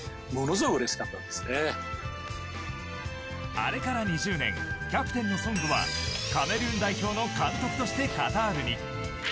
あれから２０年キャプテンのソングはカメルーン代表の監督としてカタールに。